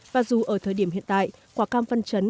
và dù ở thời điểm hiện tại quả cam văn chấn